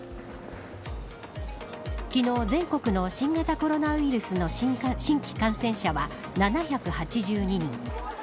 昨日全国の新型コロナウイルスの新規感染者は７８２人。